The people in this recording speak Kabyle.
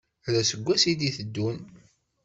Ar useggas i d-iteddun.